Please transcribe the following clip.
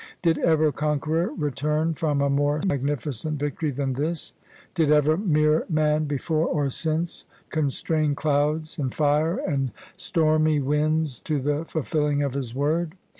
Did ever conqueror return from a more magnificent victory than this? Did ever mere man before or since constrain clouds and fire and stormj^ winds to the fulfilling of his word?